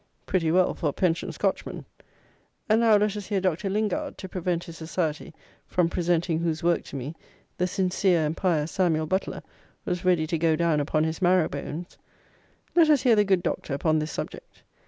Pretty well for a pensioned Scotchman: and now let us hear Dr. Lingard, to prevent his Society from presenting whose work to me, the sincere and pious Samuel Butler was ready to go down upon his marrow bones; let us hear the good Doctor upon this subject.